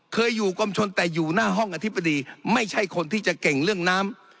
เคยอยู่กรมชนแต่อยู่หน้าห้องอธิบดีไม่ใช่คนที่จะเก่งเรื่องน้ำ